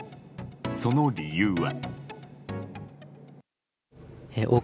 その理由は。